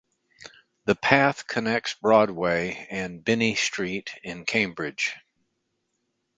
The path connects Broadway and Binney Street in Cambridge.